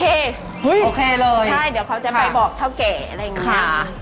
เดี๋ยวเขาจะไปบอกเท่าไก่อะไรอย่างนี้นะครับค่ะ